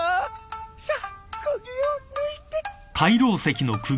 さあ釘を抜いて。